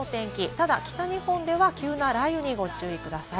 ただ北日本では急な雷雨にご注意ください。